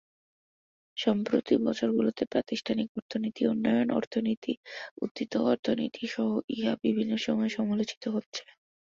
সম্প্রতি বছর গুলোতে প্রাতিষ্ঠানিক অর্থনীতি, উন্নয়ন অর্থনীতি উদ্বৃত্ত অর্থনীতি সহ ইহা বিভিন্ন সময়ে সমালোচিত হচ্ছে।